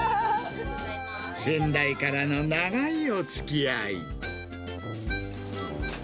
先代からの長いおつきあい。